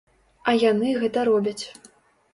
А яны гэта робяць.